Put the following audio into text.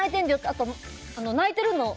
あと、泣いてるのを